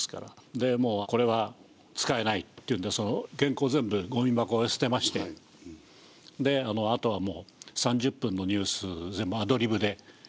でもうこれは使えないっていうんで原稿全部ごみ箱へ捨てましてあとはもう３０分のニュース全部アドリブでやりました。